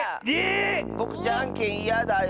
えっ⁉ぼくじゃんけんいやだよ。